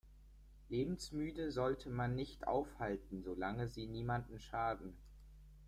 Lebensmüde sollte man nicht aufhalten, solange sie niemandem schaden.